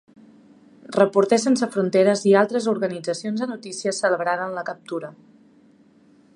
Reporters Sense Fronteres i altres organitzacions de notícies celebraren la captura.